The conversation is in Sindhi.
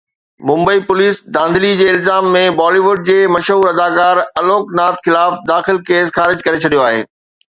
ممبئي پوليس دھاندلي جي الزام ۾ بالي ووڊ جي مشهور اداڪار الوڪ ناٿ خلاف داخل ڪيس خارج ڪري ڇڏيو آهي.